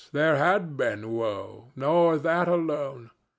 there had been woe, nor that alone.